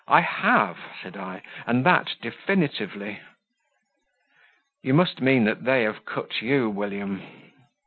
"I have," said I, "and that definitively." "You must mean they have cut you, William."